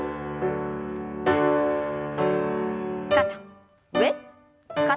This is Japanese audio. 肩上肩下。